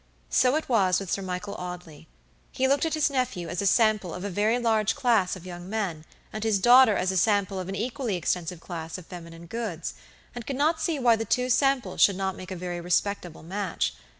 So it was with Sir Michael Audley. He looked at his nephew as a sample of a very large class of young men, and his daughter as a sample of an equally extensive class of feminine goods, and could not see why the two samples should not make a very respectable match.